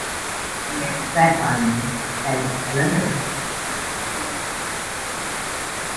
Stephan H. Lindner.